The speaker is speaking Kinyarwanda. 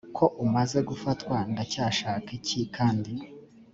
ko umaze gufatwa ndacyashaka iki kandi